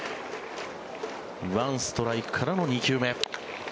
１ストライクからの２球目。